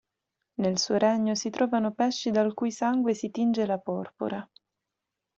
Nel suo regno si trovano pesci dal cui sangue si tinge la porpora.